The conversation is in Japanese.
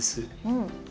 うん。